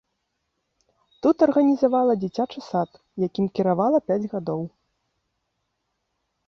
Тут арганізавала дзіцячы сад, якім кіравала пяць гадоў.